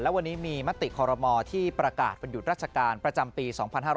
และวันนี้มีมติคอรมอที่ประกาศวันหยุดราชการประจำปี๒๕๕๙